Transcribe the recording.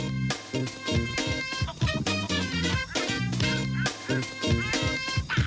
เพลง